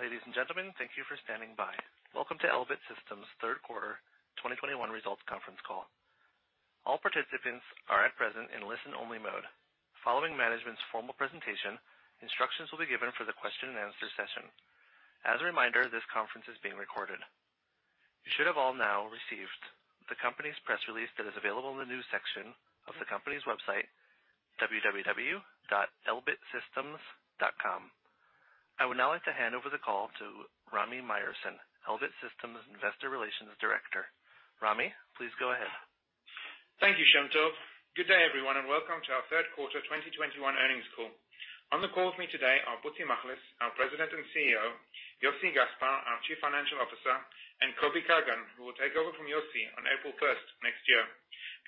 Ladies and gentlemen, thank you for standing by. Welcome to Elbit Systems' third quarter 2021 results conference call. All participants are at present in listen-only mode. Following management's formal presentation, instructions will be given for the question-and-answer session. As a reminder, this conference is being recorded. You should have all now received the company's press release that is available in the news section of the company's website, www.elbitsystems.com. I would now like to hand over the call to Rami Myerson, Elbit Systems Investor Relations Director. Rami, please go ahead. Thank you, Shem Tov. Good day, everyone, and welcome to our third quarter 2021 earnings call. On the call with me today are Bezhalel Machlis, our President and CEO, Joseph Gaspar, our Chief Financial Officer, and Yaacov Kagan, who will take over from Joseph on April 1 next year.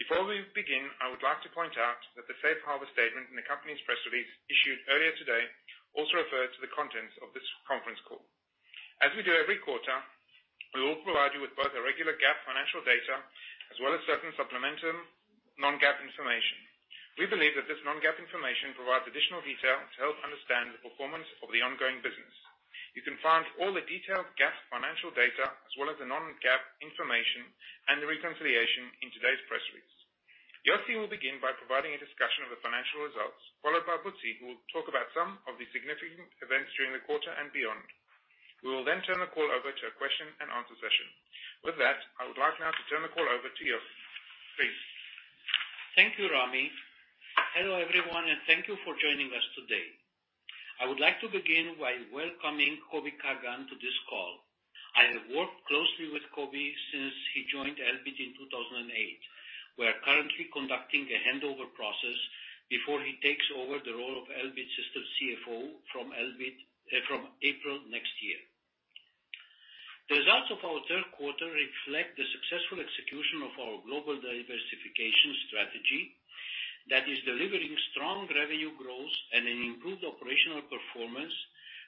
Before we begin, I would like to point out that the safe harbor statement in the company's press release issued earlier today also refers to the contents of this conference call. As we do every quarter, we will provide you with both a regular GAAP financial data as well as certain supplemental non-GAAP information. We believe that this non-GAAP information provides additional detail to help understand the performance of the ongoing business. You can find all the detailed GAAP financial data as well as the non-GAAP information and the reconciliation in today's press release. Yossi will begin by providing a discussion of the financial results, followed by Bezhalel, who will talk about some of the significant events during the quarter and beyond. We will then turn the call over to a question-and-answer session. With that, I would like now to turn the call over to Yossi. Please. Thank you, Rami. Hello, everyone, and thank you for joining us today. I would like to begin by welcoming Yaacov Kagan to this call. I have worked closely with Yaacov since he joined Elbit in 2008. We are currently conducting a handover process before he takes over the role of Elbit Systems CFO from April next year. The results of our third quarter reflect the successful execution of our global diversification strategy that is delivering strong revenue growth and an improved operational performance,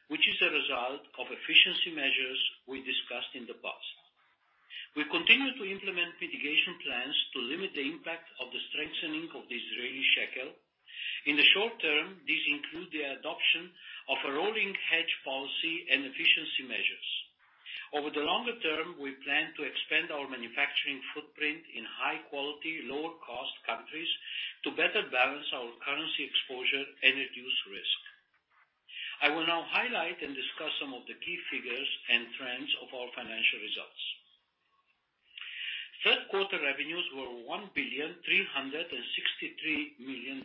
which is a result of efficiency measures we discussed in the past. We continue to implement mitigation plans to limit the impact of the strengthening of the Israeli shekel. In the short term, these include the adoption of a rolling hedge policy and efficiency measures. Over the longer term, we plan to expand our manufacturing footprint in high quality, lower cost countries to better balance our currency exposure and reduce risk. I will now highlight and discuss some of the key figures and trends of our financial results. Third quarter revenues were $1.363 billion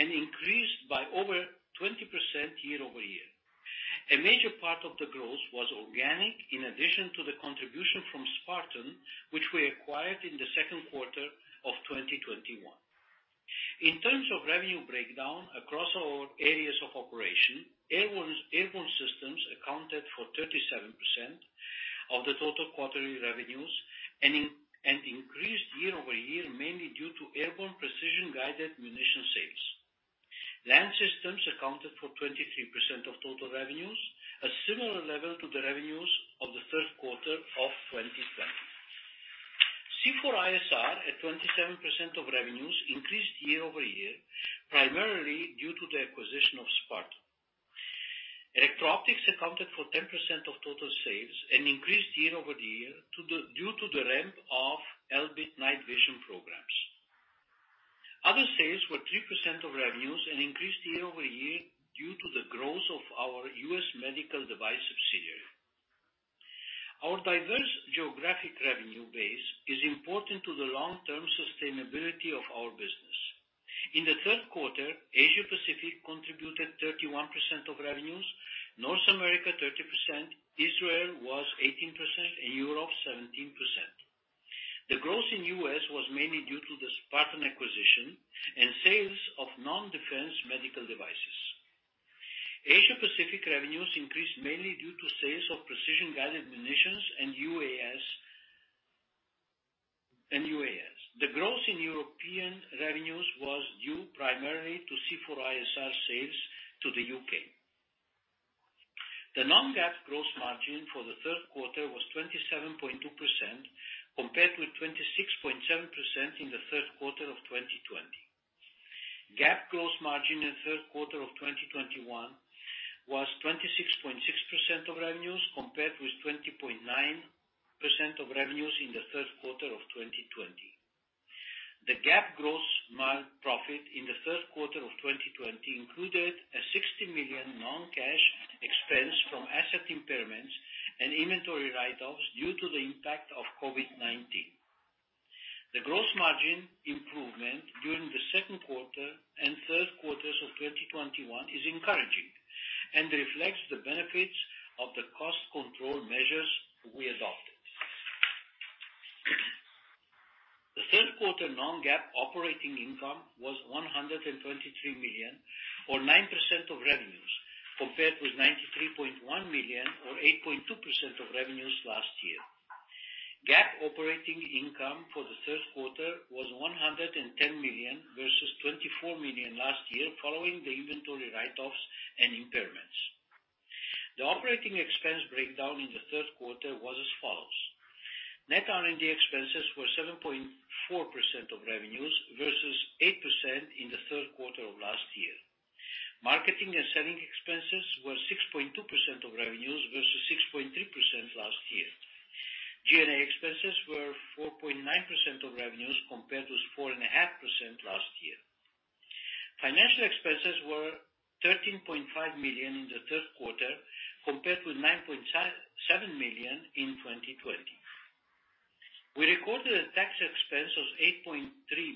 and increased by over 20% year-over-year. A major part of the growth was organic in addition to the contribution from Sparton, which we acquired in the second quarter of 2021. In terms of revenue breakdown across our areas of operation, airborne systems accounted for 37% of the total quarterly revenues and increased year-over-year, mainly due to airborne precision-guided munitions sales. Land systems accounted for 23% of total revenues, a similar level to the revenues of the third quarter of 2020. C4ISR at 27% of revenues increased year-over-year, primarily due to the acquisition of Sparton. Electro-optics accounted for 10% of total sales and increased year-over-year due to the ramp of Elbit night vision programs. Other sales were 3% of revenues and increased year-over-year due to the growth of our U.S. medical device subsidiary. Our diverse geographic revenue base is important to the long-term sustainability of our business. In the third quarter, Asia Pacific contributed 31% of revenues, North America 30%, Israel was 18%, and Europe 17%. The growth in U.S. was mainly due to the Sparton acquisition and sales of non-defense medical devices. Asia Pacific revenues increased mainly due to sales of precision-guided munitions and UAS. The growth in European revenues was due primarily to C4ISR sales to the U.K. The non-GAAP gross margin for the third quarter was 27.2% compared with 26.7% in the third quarter of 2020. GAAP gross margin in third quarter of 2021 was 26.6% of revenues, compared with 20.9% of revenues in the third quarter of 2020. The GAAP gross profit in the third quarter of 2020 included a $60 million non-cash expense from asset impairments and inventory write-offs due to the impact of COVID-19. The gross margin improvement during the second quarter and third quarters of 2021 is encouraging and reflects the benefits of the cost control measures we adopted. The third quarter non-GAAP operating income was $123 million or 9% of revenues, compared with $93.1 million or 8.2% of revenues last year. GAAP operating income for the third quarter was $110 million versus $24 million last year following the inventory write-offs and impairments. The operating expense breakdown in the third quarter was as follows. Net R&D expenses were 7.4% of revenues versus 8% in the third quarter of last year. Marketing and selling expenses were 6.2% of revenues versus 6.3% last year. G&A expenses were 4.9% of revenues compared with 4.5% last year. Financial expenses were $13.5 million in the third quarter compared with $9.7 million in 2020. We recorded a tax expense of $8.3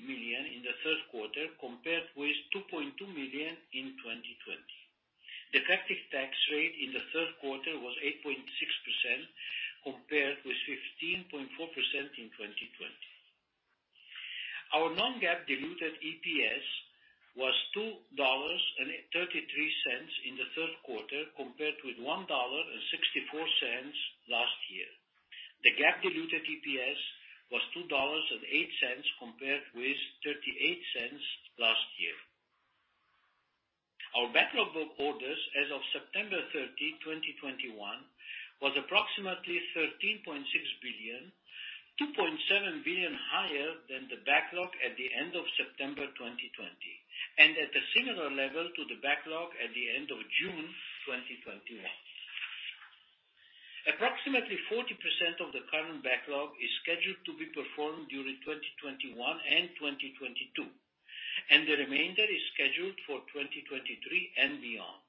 million in the third quarter compared with $2.2 million in 2020. The effective tax rate in the third quarter was 8.6% compared with 15.4% in 2020. Our non-GAAP diluted EPS was $2.33 in the third quarter compared with $1.64 last year. The GAAP diluted EPS was $2.08 compared with $0.38 last year. Our order backlog book as of September 30, 2021, was approximately $13.6 billion, $2.7 billion higher than the backlog at the end of September 2020, and at a similar level to the backlog at the end of June 2021. Approximately 40% of the current backlog is scheduled to be performed during 2021 and 2022, and the remainder is scheduled for 2023 and beyond.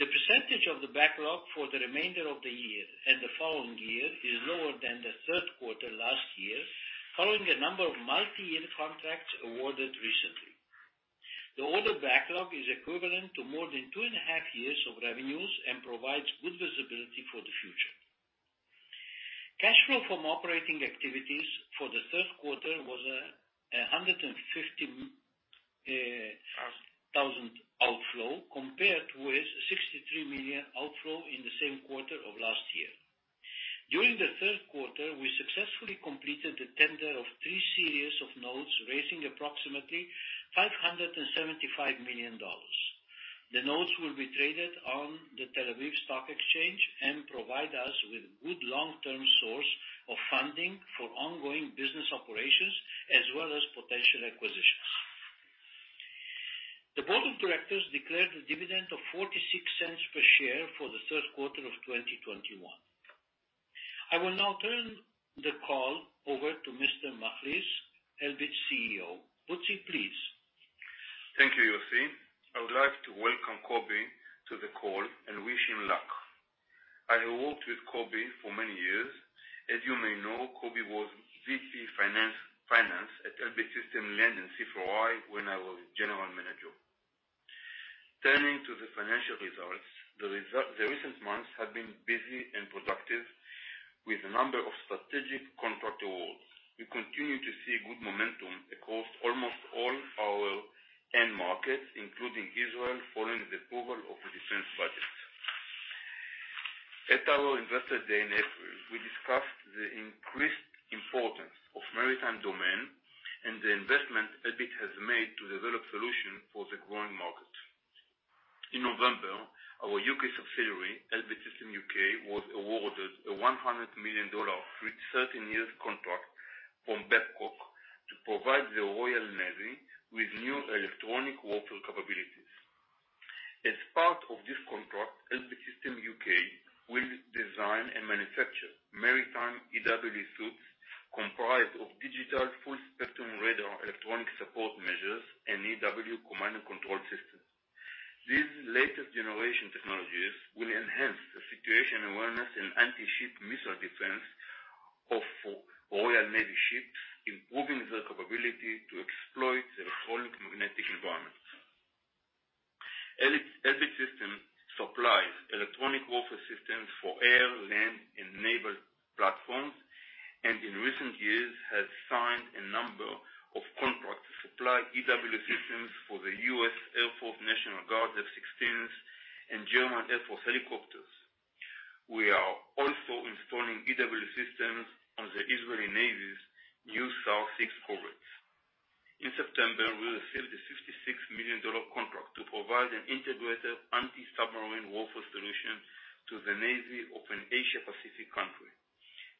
The percentage of the backlog for the remainder of the year and the following year is lower than the third quarter last year, following a number of multi-year contracts awarded recently. The order backlog is equivalent to more than two and a half years of revenues and provides good visibility for the future. Cash flow from operating activities for the third quarter was $150,000 outflow compared with $63 million outflow in the same quarter of last year. During the third quarter, we successfully completed the tender of three series of notes, raising approximately $575 million. The notes will be traded on the Tel Aviv Stock Exchange and provide us with good long-term source of funding for ongoing business operations as well as potential acquisitions. The board of directors declared a dividend of $0.46 per share for the third quarter of 2021. I will now turn the call over to Mr. Machlis, Elbit's CEO. Butzi, please. Thank you, Yossi. I would like to welcome Yaacov to the call and wish him luck. I have worked with Yaacov for many years. As you may know, Yaacov was VP Finance at Elbit Systems Land and C4I when I was General Manager. Turning to the financial results, the recent months have been busy and productive with a number of strategic contract awards. We continue to see good momentum across almost all our end markets, including Israel, following the approval of the defense budget. At our Investor Day in April, we discussed the increased importance of maritime domain and the investment Elbit has made to develop solution for the growing market. In November, our UK subsidiary, Elbit Systems UK, was awarded a $100 million thirteen-year contract from Babcock to provide the Royal Navy with new electronic warfare capabilities. As part of this contract, Elbit Systems UK will design and manufacture maritime EW suites comprised of digital full-spectrum radar electronic support measures and EW command and control system. These latest generation technologies will enhance the situation awareness and anti-ship missile defense of Royal Navy ships, improving their capability to exploit electronic magnetic environments. Elbit Systems supplies electronic warfare systems for air, land, and naval platforms, and in recent years, has signed a number of contracts to supply EW systems for the U.S. Air National Guard F-16s and German Air Force helicopters. We are also installing EW systems on the Israeli Navy's new Sa'ar 6 corvettes. In September, we sealed a $56 million contract to provide an integrated anti-submarine warfare solution to the navy of an Asia Pacific country.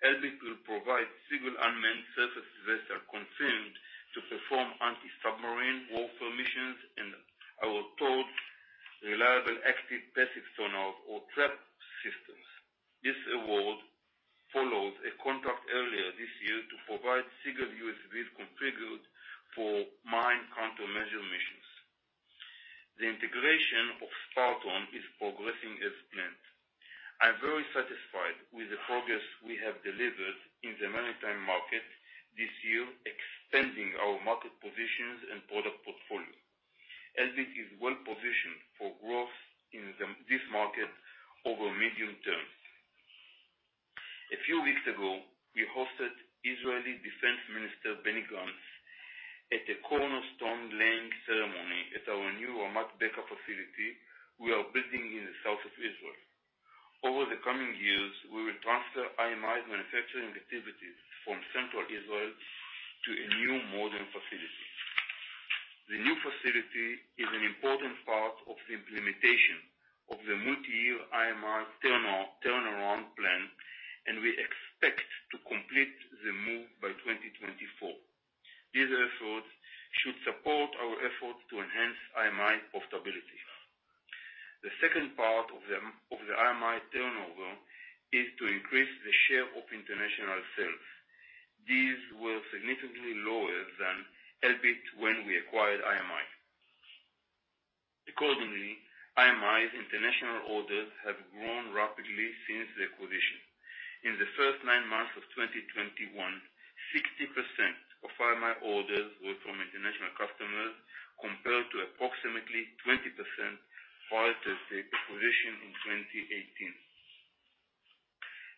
Elbit will provide single unmanned surface vessel configured to perform anti-submarine warfare missions and a towed reliable active-passive sonars or TRAPS systems. This award follows a contract earlier this year to provide single USVs configured for mine countermeasure missions. The integration of Sparton is progressing as planned. I'm very satisfied with the progress we have delivered in the maritime market this year, expanding our market positions and product portfolio. Elbit is well-positioned for growth in this market over medium-term. A few weeks ago, we hosted Israeli Defense Minister Benny Gantz at a cornerstone laying ceremony at our new Ramat Beka facility we are building in the south of Israel. Over the coming years, we will transfer IMI's manufacturing activities from central Israel to a new modern facility. The new facility is an important part of the implementation of the multi-year IMI turnaround plan, and we expect to complete the move by 2024. These efforts should support our effort to enhance IMI profitability. The second part of the IMI turnaround is to increase the share of international sales. These were significantly lower than Elbit when we acquired IMI. Accordingly, IMI's international orders have grown rapidly since the acquisition. In the first nine months of 2021, 60% of IMI orders were from international customers, compared to approximately 20% prior to the acquisition in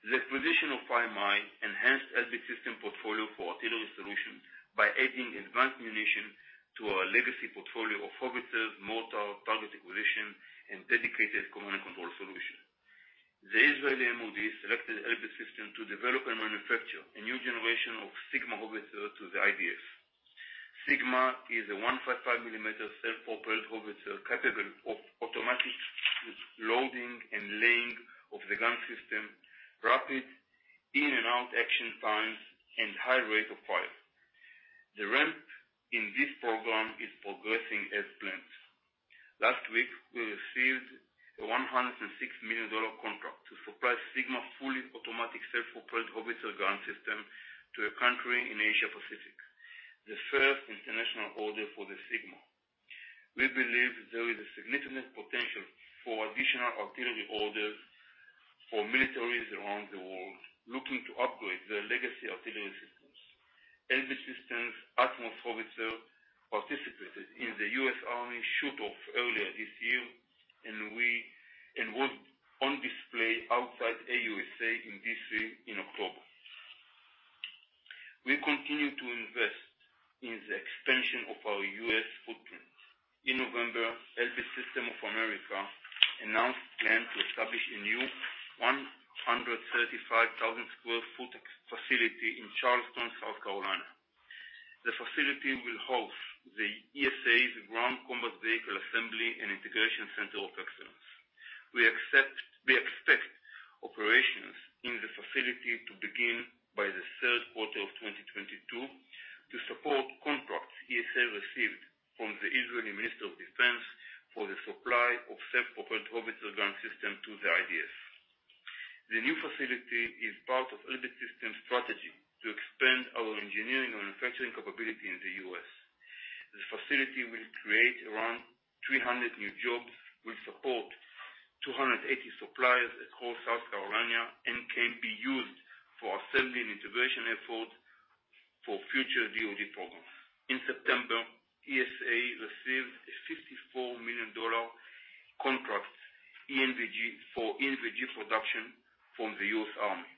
2018. The acquisition of IMI enhanced Elbit Systems portfolio for artillery solutions by adding advanced munitions to our legacy portfolio of howitzers, mortars, target acquisition, and dedicated command and control solutions. The Israeli MOD selected Elbit Systems to develop and manufacture a new generation of SIGMA howitzer to the IDF. SIGMA is a 155-millimeter self-propelled howitzer capable of automatic loading and laying of the gun system, rapid in and out action times, and high rate of fire. The ramp in this program is progressing as planned. Last week, we received a $106 million contract to supply SIGMA fully automatic self-propelled howitzer gun system to a country in Asia-Pacific, the first international order for the SIGMA. We believe there is a significant potential for additional artillery orders for militaries around the world looking to upgrade their legacy artillery systems. Elbit Systems ATMOS howitzer participated in the U.S. Army shoot-off earlier this year, and was on display outside AUSA in D.C. in October. We continue to invest in the expansion of our U.S. footprint. In November, Elbit Systems of America announced plans to establish a new 135,000 sq ft facility in Charleston, South Carolina. The facility will host the ESA's Ground Combat Vehicle Assembly and Integration Center of Excellence. We expect operations in the facility to begin by the third quarter of 2022 to support contracts ESA received from the Israeli Minister of Defense for the supply of self-propelled howitzer gun system to the IDF. The new facility is part of Elbit Systems' strategy to expand our engineering and manufacturing capability in the U.S. The facility will create around 300 new jobs, will support 280 suppliers across South Carolina, and can be used for assembly and integration efforts for future DoD programs. In September, ESA received a $54 million contract for NVG production from the U.S. Army.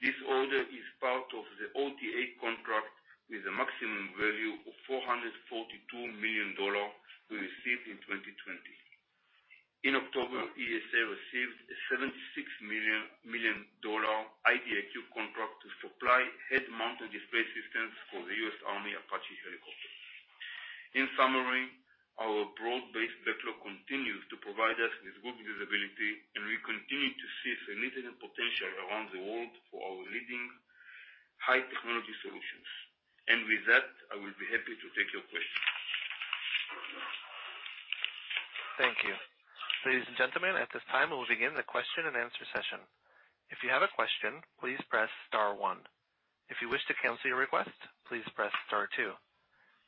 This order is part of the OTA contract with a maximum value of $442 million we received in 2020. In October, ESA received a $76 million IDIQ contract to supply head-mounted display systems for the U.S. Army Apache helicopters. In summary, our broad-based backlog continues to provide us with good visibility, and we continue to see significant potential around the world for our leading high-technology solutions. With that, I will be happy to take your questions. Thank you. Ladies and gentlemen, at this time, we'll begin the question and answer session. If you have a question, please press star one. If you wish to cancel your request, please press star two.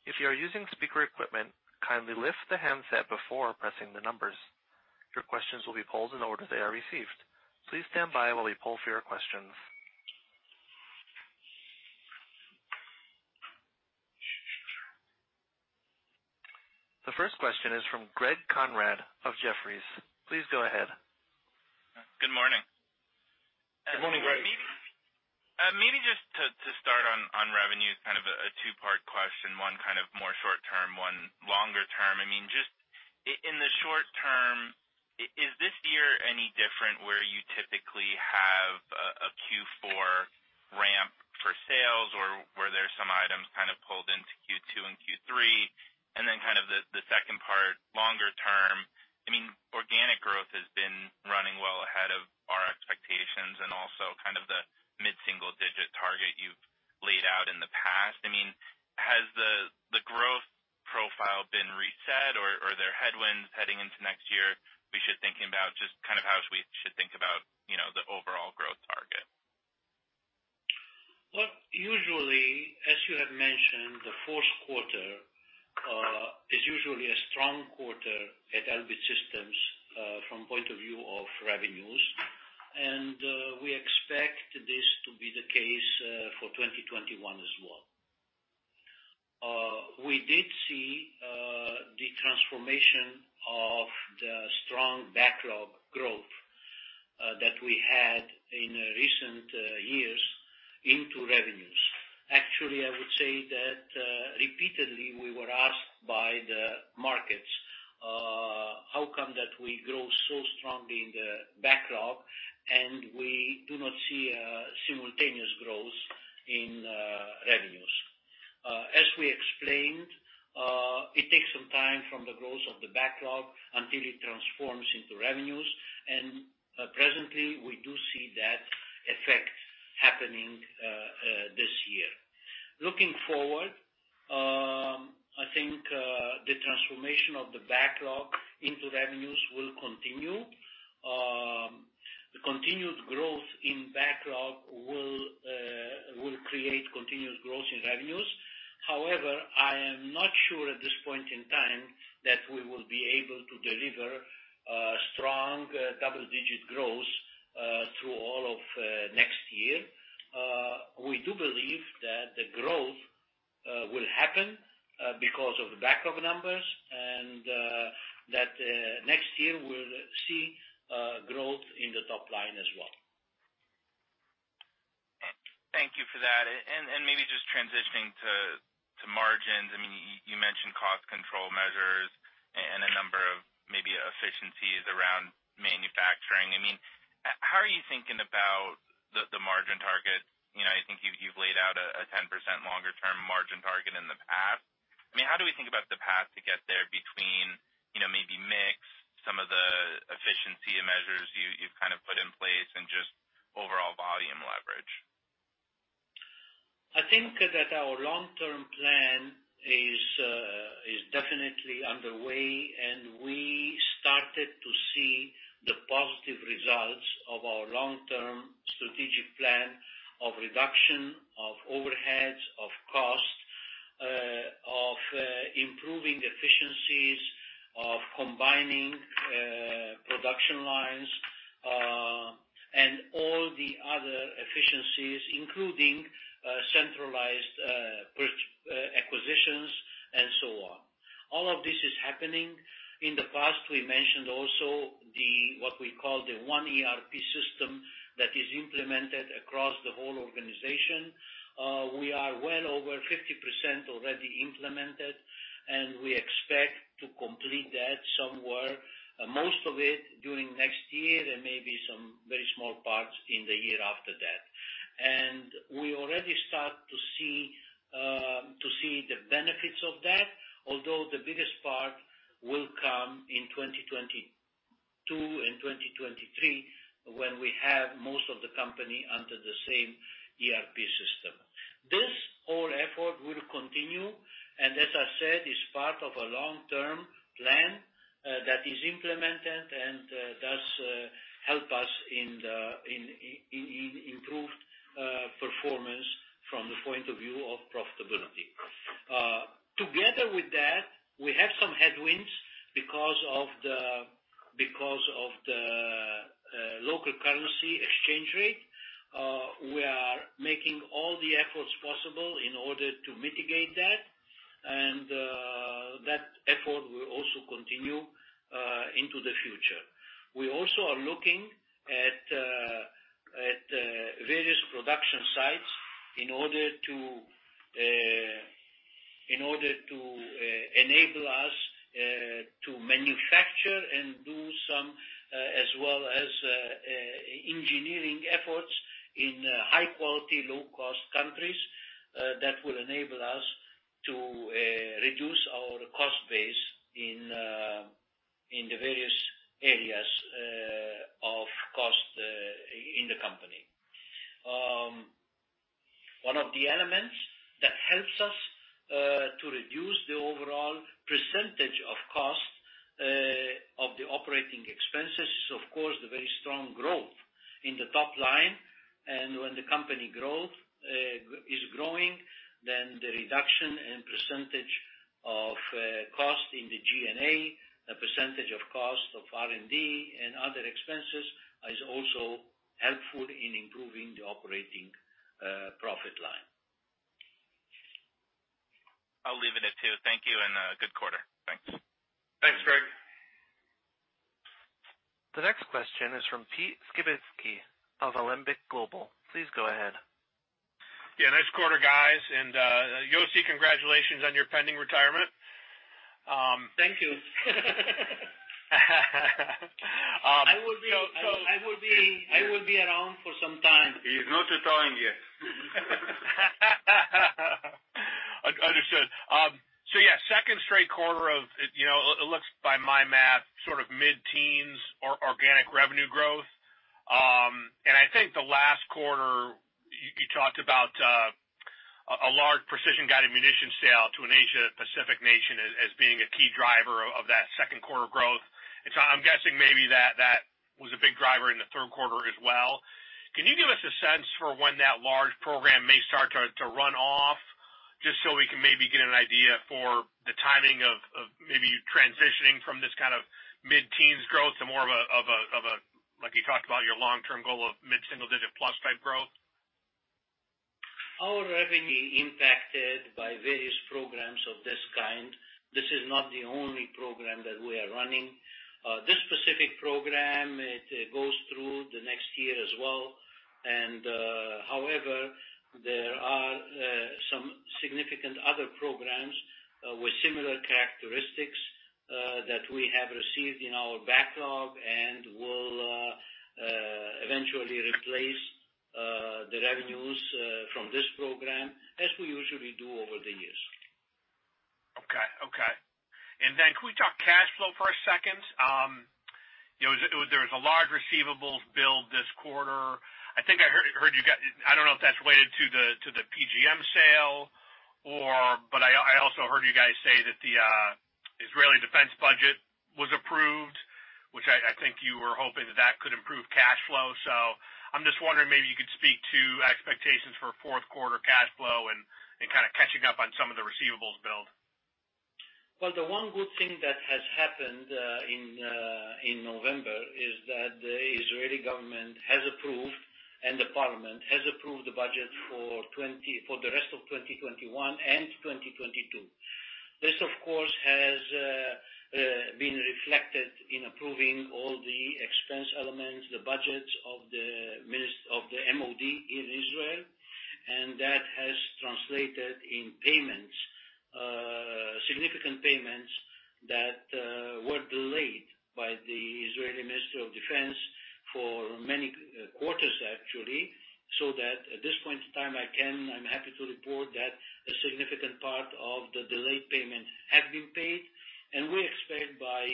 If you are using speaker equipment, kindly lift the handset before pressing the numbers. Your questions will be pulled in the order they are received. Please stand by while we poll for your questions. The first question is from Greg Konrad of Jefferies. Please go ahead. Good morning. Good morning, Greg. Maybe just to start on revenue, kind of a two-part question, one kind of more short term, one longer term. I mean, just in the short term, is this year any different where you typically have a Q4 ramp for sales, or were there some items kind of pulled into Q2 and Q3? Kind of the second part, longer term, I mean, organic growth has been running well ahead of our expectations and also kind of the mid-single digit target you've laid out in the past. I mean, has the growth profile been reset, or are there headwinds heading into next year we should think about just kind of how we should think about, you know, the overall growth target? Well, usually, as you have mentioned, the fourth quarter is usually a strong quarter at Elbit Systems from point of view of revenues. We expect this to be the case for 2021 as well. We did see the transformation of the strong backlog growth that we had in recent years into revenues. Actually, I would say that repeatedly we were asked by the market The outcome that we grow so strongly in the backlog, and we do not see simultaneous growth in revenues. As we explained, it takes some time from the growth of the backlog until it transforms into revenues. Presently we do see that effect happening this year. Looking forward, I think, the transformation of the backlog into revenues will continue. The continued growth in backlog will create continuous growth in revenues. However, I am not sure at this point in time that we will be able to deliver a strong double-digit growth through all of next year. We do believe that the growth will happen because of the backlog numbers and that next year we'll see growth in the top line as well. Thank you for that. Maybe just transitioning to margins. I mean, you mentioned cost control measures and a number of maybe efficiencies around manufacturing. I mean, how are you thinking about the margin target? You know, I think you've laid out a 10% longer term margin target in the past. I mean, how do we think about the path to get there between, you know, maybe mix some of the efficiency measures you've kind of put in place and just overall volume leverage? I think that our long-term plan is definitely underway, and we started to see the positive results of our long-term strategic plan of reduction of overheads, of costs, improving efficiencies, of combining production lines, and all the other efficiencies, including centralized purchasing acquisitions and so on. All of this is happening. In the past, we mentioned also what we call the one ERP system that is implemented across the whole organization. We are well over 50% already implemented, and we expect to complete that somewhere, most of it during next year and maybe some very small parts in the year after that. We already start to see the benefits of that. Although the biggest part will come in 2022 and 2023 when we have most of the company under the same ERP system. This whole effort will continue, and as I said, is part of a long-term plan, that is implemented and thus help us in improved performance from the point of view of profitability. Together with that, we have some headwinds because of the local currency exchange rate. We are making all the efforts possible in order to mitigate that. That effort will also continue into the future. We also are looking at various production sites in order to enable us to manufacture and do some as well as engineering efforts in high quality, low cost countries that will enable us to reduce our cost base in the various areas of cost in the company. One of the elements that helps us to reduce the overall percentage of cost of the operating expenses is of course the very strong growth in the top line. When the company growth is growing, then the reduction in percentage of cost in the G&A, the percentage of cost of R&D and other expenses is also helpful in improving the operating profit line. I'll leave it at two. Thank you and good quarter. Thanks. Thanks, Greg. The next question is from Pete Skibitski of Alembic Global. Please go ahead. Yeah, nice quarter, guys. Yossi, congratulations on your pending retirement, Thank you. Um, so- I will be around for some time. He's not retiring yet. Understood. Yeah, second straight quarter of, you know, looks by my math, sort of mid-teens organic revenue growth. I think the last quarter, you talked about a large precision-guided munition sale to an Asia Pacific nation as being a key driver of that second quarter growth. I'm guessing maybe that was a big driver in the third quarter as well. Can you give us a sense for when that large program may start to run off, just so we can maybe get an idea for the timing of maybe transitioning from this kind of mid-teens growth to more of a, like you talked about your long-term goal of mid-single-digit plus type growth? Our revenue impacted by various programs of this kind. This is not the only program that we are running. This specific program goes through the next year as well. However, the other programs with similar characteristics that we have received in our backlog and will eventually replace the revenues from this program as we usually do over the years. Okay. Could we talk cash flow for a second? You know, there was a large receivables build this quarter. I think I heard you got. I don't know if that's related to the PGM sale or. But I also heard you guys say that the Israeli defense budget was approved, which I think you were hoping that could improve cash flow. I'm just wondering maybe you could speak to expectations for fourth quarter cash flow and kinda catching up on some of the receivables build. Well, the one good thing that has happened in November is that the Israeli government has approved, and the parliament has approved the budget for the rest of 2021 and 2022. This of course has been reflected in approving all the expense elements, the budgets of the IMOD in Israel, and that has translated in payments, significant payments that were delayed by the Israeli Ministry of Defense for many quarters, actually. That at this point in time, I'm happy to report that a significant part of the delayed payment have been paid, and we expect by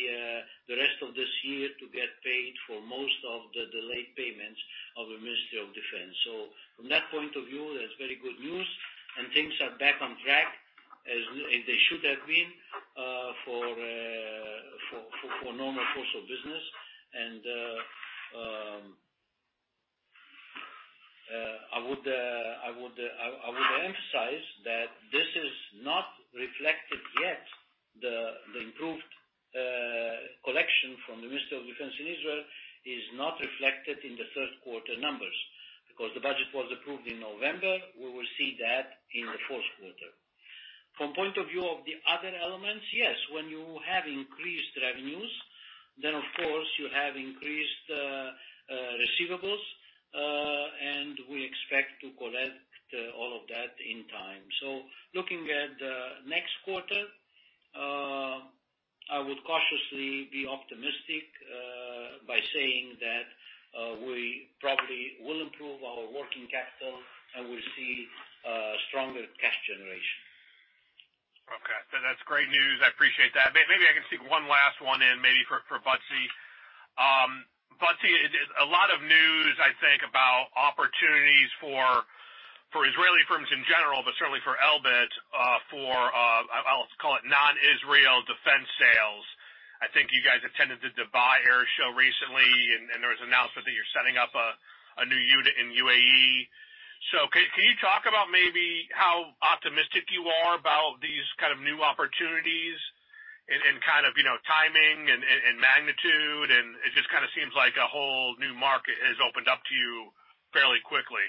the rest of this year to get paid for most of the delayed payments of the Ministry of Defense. From that point of view, that's very good news and things are back on track as they should have been for normal course of business. I would emphasize that this is not reflected yet. The improved collection from the Ministry of Defense in Israel is not reflected in the third quarter numbers. Because the budget was approved in November, we will see that in the fourth quarter. From point of view of the other elements, yes, when you have increased revenues, then of course you have increased receivables and we expect to collect all of that in time. Looking at next quarter, I would cautiously be optimistic by saying that we probably will improve our working capital, and we see stronger cash generation. Okay. That's great news. I appreciate that. Maybe I can sneak one last one in maybe for Butsi. Butsi, a lot of news, I think, about opportunities for Israeli firms in general, but certainly for Elbit, I'll call it non-Israel defense sales. I think you guys attended the Dubai Air Show recently and there was an announcement that you're setting up a new unit in UAE. Can you talk about maybe how optimistic you are about these kind of new opportunities and kind of, you know, timing and magnitude and it just kinda seems like a whole new market has opened up to you fairly quickly.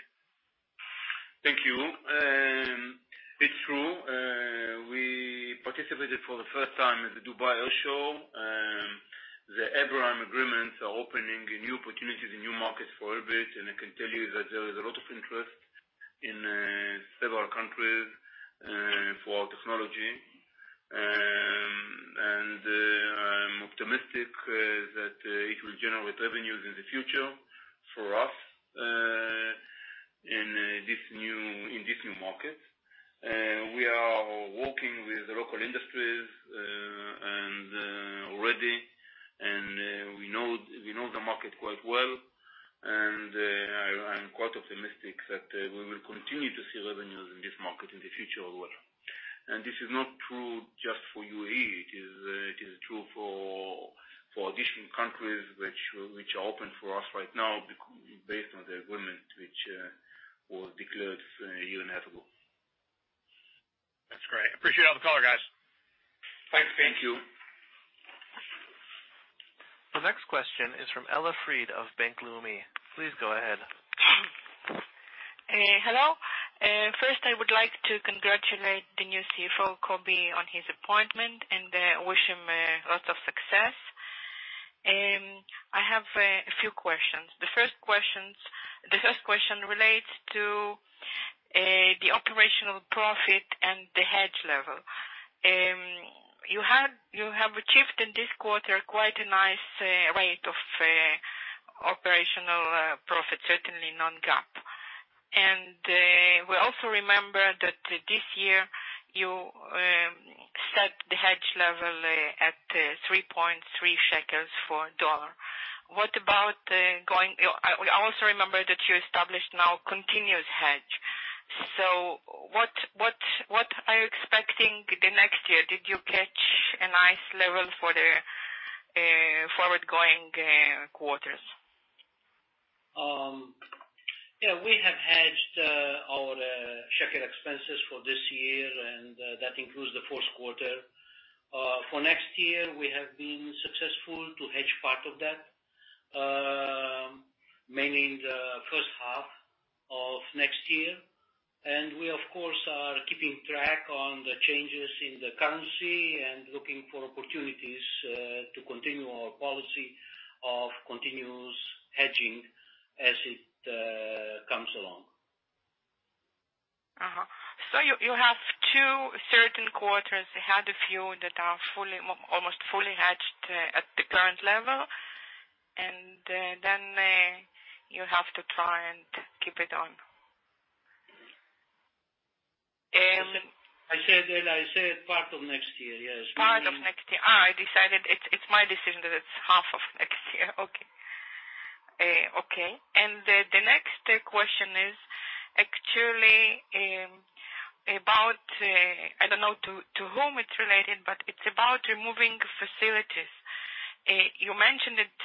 Thank you. It's true. We participated for the first time in the Dubai Air Show. The Abraham Accords are opening new opportunities and new markets for Elbit, and I can tell you that there is a lot of interest in several countries for our technology. I'm optimistic that it will generate revenues in the future for us in this new market. We are working with local industries and already we know the market quite well. I'm quite optimistic that we will continue to see revenues in this market in the future as well. This is not true just for UAE. It is true for additional countries which are open for us right now based on the agreement which was declared inevitable. That's great. Appreciate all the color, guys. Thanks. Thank you. The next question is from Ella Fried of Bank Leumi. Please go ahead. Hello. First I would like to congratulate the new CFO, Yaacov, on his appointment, and wish him lots of success. I have a few questions. The first question relates to the operational profit and the hedge level. You have achieved in this quarter quite a nice rate of operational profit, certainly non-GAAP. We also remember that this year you set the hedge level at 3.3 shekels for dollar. We also remember that you established now continuous hedge. So what are you expecting the next year? Did you catch a nice level for the forward going quarters? Yeah. We have hedged our shekel expenses for this year, and that includes the fourth quarter. For next year we have been successful to hedge part of that, mainly in the first half of next year. We of course are keeping track on the changes in the currency and looking for opportunities to continue our policy of continuous hedging as it comes along. You have two certain quarters. You had a few that are almost fully hatched at the current level, and then you have to try and keep it on. I said, Ella, part of next year, yes. Part of next year. I decided it's my decision that it's half of next year. Okay. Okay. The next question is actually about. I don't know to whom it's related, but it's about removing facilities. You mentioned it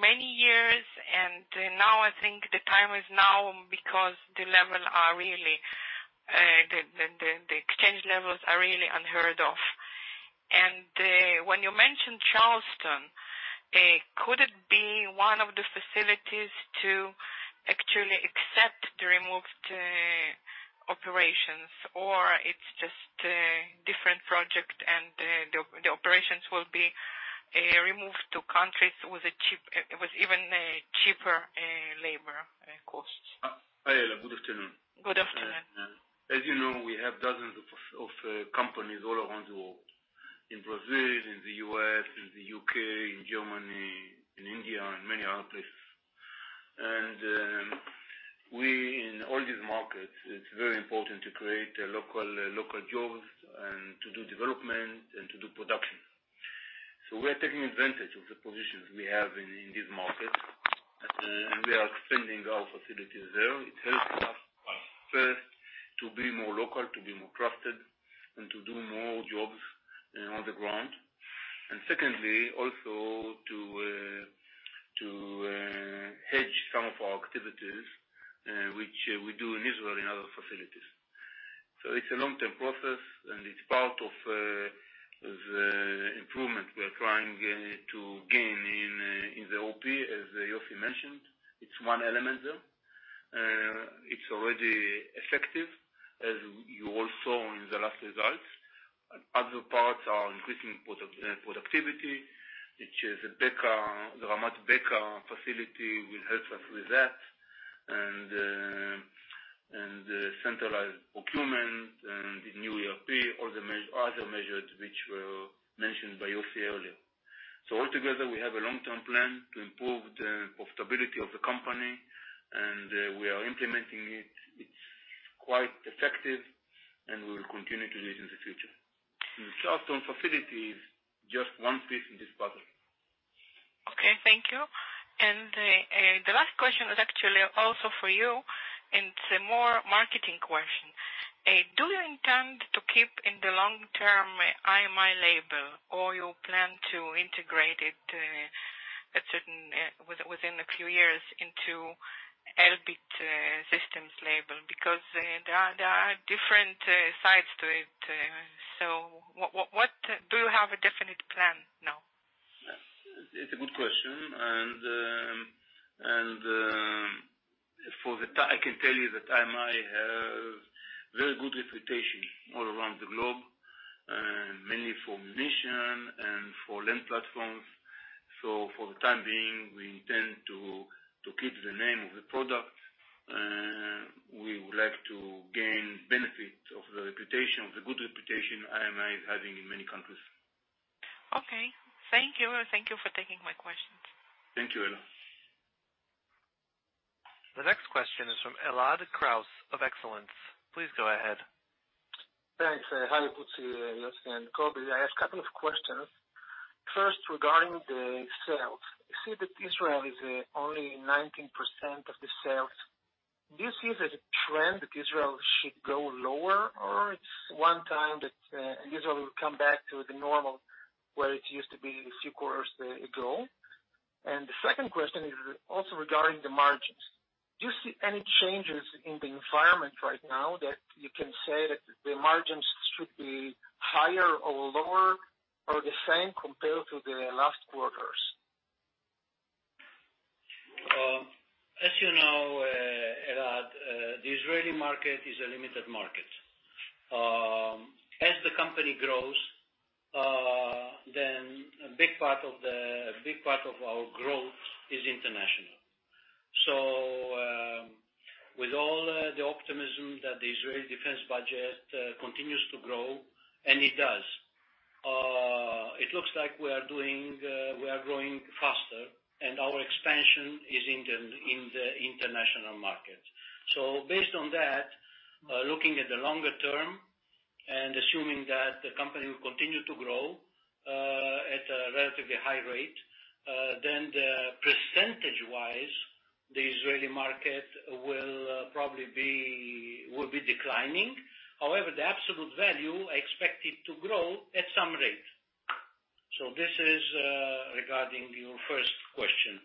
many years, and now I think the time is now because the exchange rates are really unheard of. When you mentioned Charleston, could it be one of the facilities to actually accept the removed operations or it's just a different project and the operations will be removed to countries with even a cheaper labor costs? Hi, Ella. Good afternoon. Good afternoon. As you know, we have dozens of companies all around the world, in Brazil, in the U.S., in the U.K., in Germany, in India, and many other places. We, in all these markets, it's very important to create local jobs and to do development and to do production. We're taking advantage of the positions we have in these markets, and we are expanding our facilities there. It helps us, first, to be more local, to be more trusted, and to do more jobs on the ground. Secondly, also to hedge some of our activities, which we do in Israel in other facilities. It's a long-term process, and it's part of the improvement we are trying to gain in the OP, as Yossi mentioned. It's one element there. It's already effective, as you all saw in the last results. Other parts are increasing productivity, which is the Ramat Beka facility will help us with that, centralized procurement and the new ERP, other measures which were mentioned by Yossi earlier. Altogether, we have a long-term plan to improve the profitability of the company, and we are implementing it. It's quite effective, and we will continue to do it in the future. The Charleston facility is just one piece in this puzzle. Okay, thank you. The last question is actually also for you. It's a more marketing question. Do you intend to keep in the long term IMI label or you plan to integrate it within a few years into Elbit Systems label? Because there are different sides to it. What do you have a definite plan now? It's a good question. I can tell you that IMI have very good reputation all around the globe, and mainly for munitions and for land platforms. For the time being, we intend to keep the name of the product, and we would like to gain benefit of the reputation, of the good reputation IMI is having in many countries. Okay. Thank you. Thank you for taking my questions. Thank you, Ella. The next question is from Elad Kraus of Excellence. Please go ahead. Thanks. Hi, good to Yossi and Yaacov. I have a couple of questions. First, regarding the sales. You see that Israel is only 19% of the sales. Do you see it as a trend that Israel should go lower, or it's one time that Israel will come back to the normal, where it used to be a few quarters ago? The second question is also regarding the margins. Do you see any changes in the environment right now that you can say that the margins should be higher or lower or the same compared to the last quarters? As you know, Elad, the Israeli market is a limited market. As the company grows, then a big part of our growth is international. With all the optimism that the Israeli defense budget continues to grow, and it does, it looks like we are doing, we are growing faster, and our expansion is in the international market. Based on that, looking at the longer term and assuming that the company will continue to grow at a relatively high rate, then the percentage-wise, the Israeli market will probably be declining. However, the absolute value, I expect it to grow at some rate. This is regarding your first question.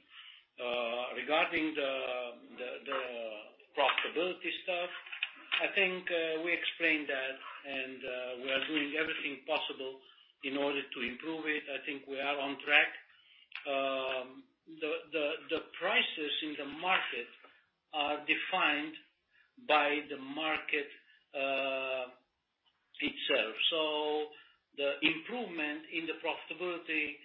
Regarding the profitability stuff, I think we explained that, and we are doing everything possible in order to improve it. I think we are on track. The prices in the market are defined by the market itself. In the profitability,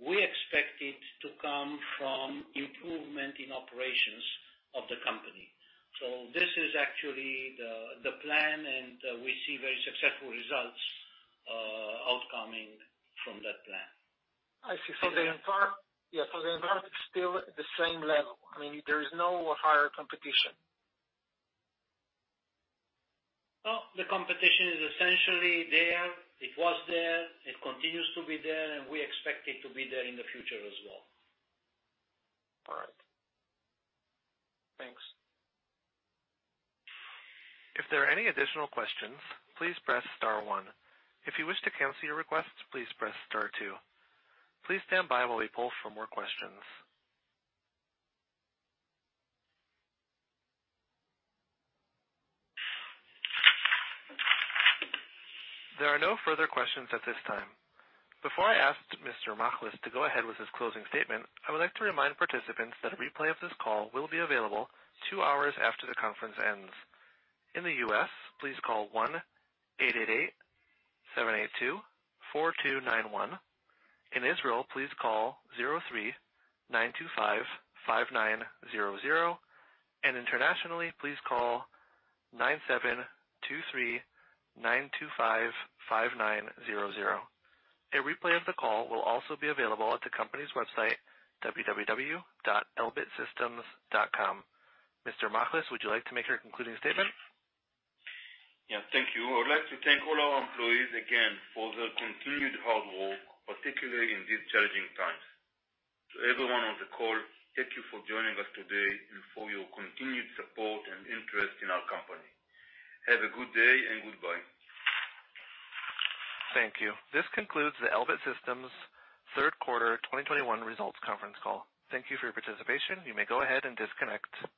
we expect it to come from improvement in operations of the company. This is actually the plan, and we see very successful results coming from that plan. I see. The environment is still at the same level. I mean, there is no higher competition. Well, the competition is essentially there. It was there, it continues to be there, and we expect it to be there in the future as well. All right. Thanks. If there are any additional questions, please press star one. If you wish to cancel your request, please press star two. Please stand by while we poll for more questions. There are no further questions at this time. Before I ask Mr. Machlis to go ahead with his closing statement, I would like to remind participants that a replay of this call will be available 2 hours after the conference ends. In the US, please call 1-888-782-4291. In Israel, please call 03-925-5900. Internationally, please call +972-3-925-5900. A replay of the call will also be available at the company's website, www.elbitsystems.com. Mr. Machlis, would you like to make your concluding statement? Yeah. Thank you. I would like to thank all our employees again for their continued hard work, particularly in these challenging times. To everyone on the call, thank you for joining us today and for your continued support and interest in our company. Have a good day and goodbye. Thank you. This concludes the Elbit Systems third quarter 2021 results conference call. Thank you for your participation. You may go ahead and disconnect.